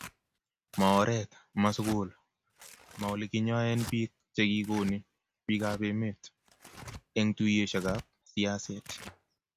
ma oret, ma sugul ma oleginyoen biik chegigoni bikap emet eng tuiyoshekab siaset